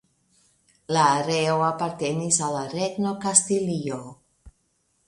La areo apartenis al la Regno Kastilio.